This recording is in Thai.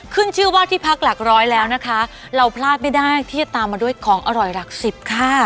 ขึ้นชื่อว่าที่พักหลักร้อยแล้วนะคะเราพลาดไม่ได้ที่จะตามมาด้วยของอร่อยหลักสิบค่ะ